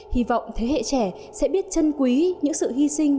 hy vọng thế hệ trẻ sẽ biết chân quý những sự hy sinh